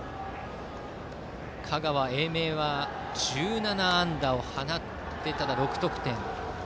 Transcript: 香川・英明は１７安打を放って６得点。